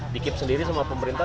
di keep sendiri sama pemerintah